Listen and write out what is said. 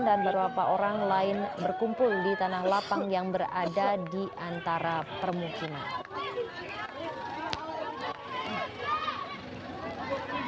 dan beberapa orang lain berkumpul di tanah lapang yang berada di antara permukiman